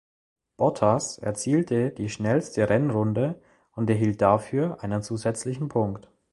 Bottas erzielte die schnellste Rennrunde und erhielt dafür einen zusätzlichen Punkt.